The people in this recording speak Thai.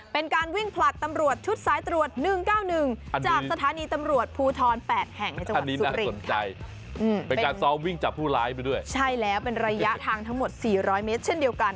เป็นการวิ่งผลัดตำรวจชุดซ้ายตรวจ๑๙๑